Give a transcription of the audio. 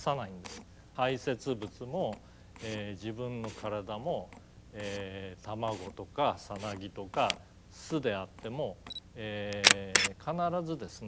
排せつ物も自分の体も卵とかサナギとか巣であっても必ずですね